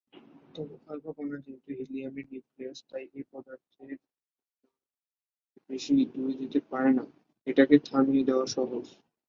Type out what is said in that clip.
তবে আলফা কণা যেহেতু হিলিয়ামের নিউক্লিয়াস, তাই এটা পদার্থের ভেতর দিয়ে বেশি দূর যেতে পারে না-এটাকে থামিয়ে দেয়া সহজ।